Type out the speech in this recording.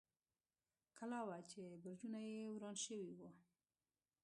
کلا وه، چې برجونه یې وران شوي و.